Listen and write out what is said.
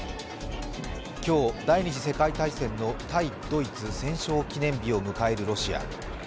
今日、第二次世界大戦の対ドイツ戦勝記念日を迎えるロシア。